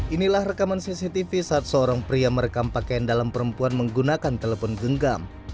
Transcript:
inilah rekaman cctv saat seorang pria merekam pakaian dalam perempuan menggunakan telepon genggam